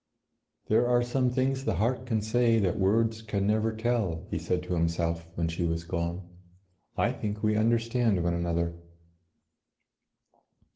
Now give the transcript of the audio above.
"There are some things the heart can say that words can never tell," he said to himself when she was gone. "I think we understand one another."